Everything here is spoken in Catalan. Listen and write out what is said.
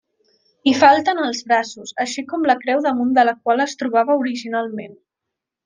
Hi falten els braços, així com la creu damunt de la qual es trobava originalment.